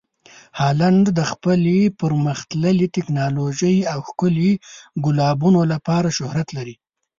هالنډ د خپلې پرمخ تللې ټکنالوژۍ او ښکلي ګلابونو لپاره شهرت لري.